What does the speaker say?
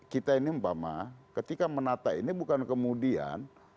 kita ini mpama ketika menata ini bukan kemudian